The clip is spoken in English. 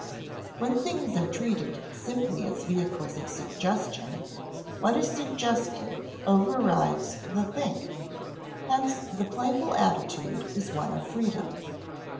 When things are treated simply as vehicles of suggestion, what is suggested overrides the thing. Hence the playful attitude is one of freedom.